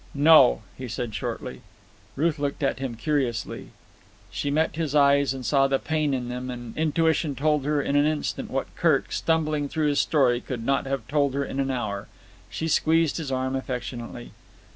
"No," he said shortly. Ruth looked at him curiously. She met his eyes and saw the pain in them, and intuition told her in an instant what Kirk, stumbling through his story, could not have told her in an hour. She squeezed his arm affectionately.